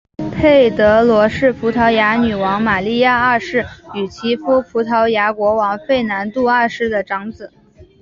佩德罗是葡萄牙女王玛莉亚二世与其夫葡萄牙国王费南度二世的长子。